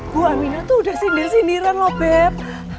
bu aminah tuh udah sindir sindiran loh beb